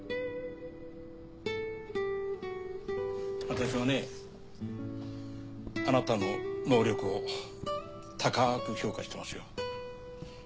私はねあなたの能力を高く評価してますよ。